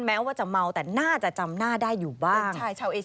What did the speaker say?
แม้ว่าจะเมาแต่น่าจะจำหน้าได้อยู่บ้าง